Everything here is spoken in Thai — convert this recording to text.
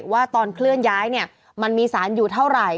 ว่าตอนเคลื่อนย้ายเนี่ยมันมีสารอยู่เท่าไหร่